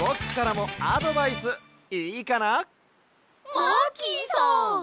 マーキーさん！？